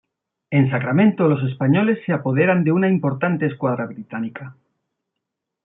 En Sacramento los españoles se apoderan de una importante escuadra británica.